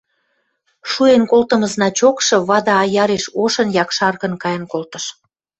Шуэн колтымы значокшы вады аяреш ошын, якшаргын кайын колтыш.